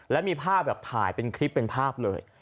แล้วมีภาพแบบถ่ายเป็นคลิปเป็นภาพเลย